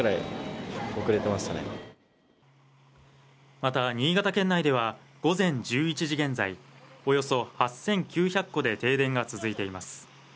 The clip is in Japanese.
また新潟県内では午前１１時現在およそ８９００戸で停電が続いています